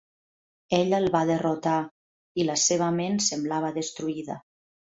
Ella el va derrotar, i la seva ment semblava destruïda.